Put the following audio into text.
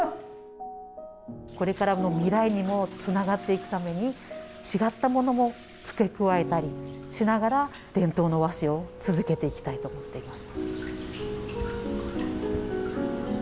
これからの未来にもつながっていくために、違ったものも付け加えたりしながら、伝統の和紙を続けていきたいと思っています。